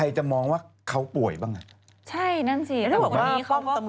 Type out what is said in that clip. พี่ชอบแซงไหลทางอะเนาะ